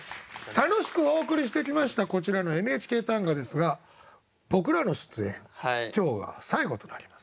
楽しくお送りしてきましたこちらの「ＮＨＫ短歌」ですが僕らの出演今日が最後となります。